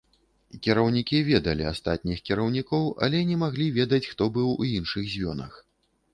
Кіраўнікі ведалі астатніх кіраўнікоў, але не маглі ведаць, хто быў у іншых звёнах.